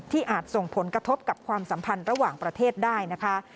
อาจส่งผลกระทบกับความสัมพันธ์ระหว่างประเทศได้นะคะ